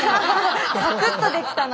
サクッとできたな。